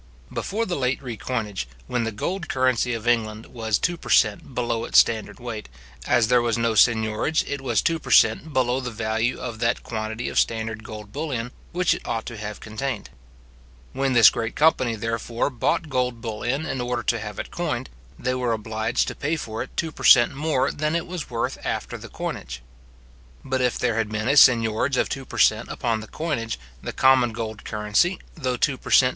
Before the late recoinage, when the gold currency of England was two per cent. below its standard weight, as there was no seignorage, it was two per cent. below the value of that quantity of standard gold bullion which it ought to have contained. When this great company, therefore, bought gold bullion in order to have it coined, they were obliged to pay for it two per cent. more than it was worth after the coinage. But if there had been a seignorage of two per cent. upon the coinage, the common gold currency, though two per cent.